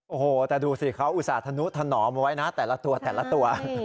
โอ้โฮแต่ดูสิค่ะอุตสาธารณูธนองไว้นะแต่ละตัว